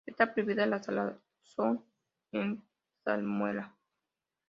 Está prohibida la salazón en salmuera.